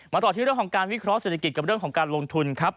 ต่อที่เรื่องของการวิเคราะห์เศรษฐกิจกับเรื่องของการลงทุนครับ